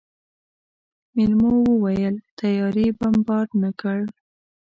مېلمو وويل طيارې بمبارد نه کړ.